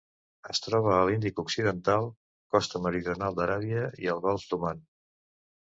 Es troba a l'Índic occidental: costa meridional d'Aràbia i el Golf d'Oman.